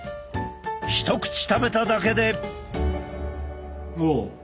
一口食べただけで。